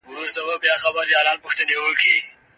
مېرمن پروین